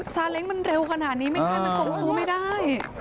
ซาเล้งมันเร็วขนาดนี้ไม่ใช่มันทรงตัวไม่ได้